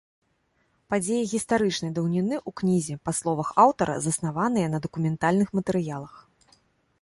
Падзеі гістарычнай даўніны ў кнізе, па словах аўтара, заснаваныя на дакументальных матэрыялах.